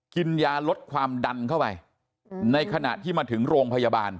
กินยาลดความดันเข้าไปในขณะที่มาถึงโรงพยาบาล